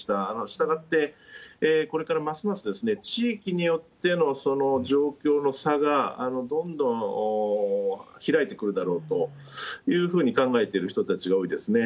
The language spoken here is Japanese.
したがって、これからますます地域によってのその状況の差がどんどん開いてくるだろうというふうに考えてる人たちが多いですね。